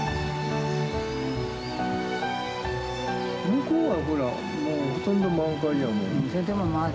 向こうはほら、ほとんど満開やもん。